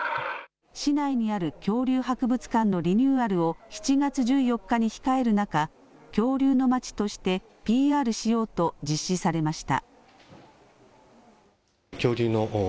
市内にある恐竜博物館のリニューアルを７月１４日に控える中、恐竜のまちとして、ＰＲしようと実施されました。